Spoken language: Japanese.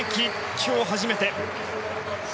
今日、初めて。